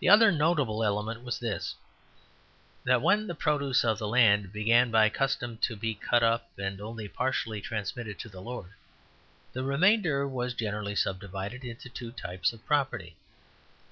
The other notable element was this: that when the produce of the land began by custom to be cut up and only partially transmitted to the lord, the remainder was generally subdivided into two types of property.